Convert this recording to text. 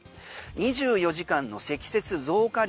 ２４時間の積雪増加量